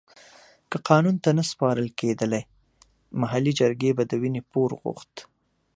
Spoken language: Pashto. که قانون ته نه سپارل کېده محلي جرګې به د وينې پور غوښت.